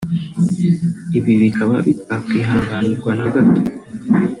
ibi bikaba bitakwihanganirwa na gato